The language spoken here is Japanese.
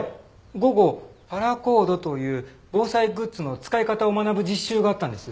午後パラコードという防災グッズの使い方を学ぶ実習があったんです。